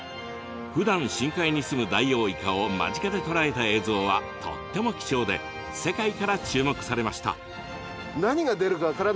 ふだん深海にすむダイオウイカを間近で捉えた映像はとっても貴重で世界から注目されました。